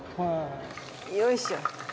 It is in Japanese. よいしょ。